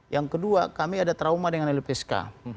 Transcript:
yang kedua kami ada trauma dengan lpsk